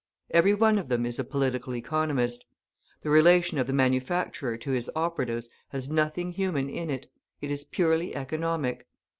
Every one of them is a Political Economist. The relation of the manufacturer to his operatives has nothing human in it; it is purely economic.